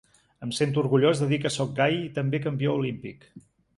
Em sento orgullós de dir que sóc gai i també campió olímpic.